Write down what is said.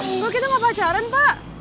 enggak kita gak pacaran pak